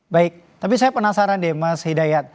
baik tapi saya penasaran deh mas hidayat